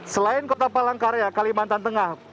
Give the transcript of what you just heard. selain kota palangkaraya kalimantan tengah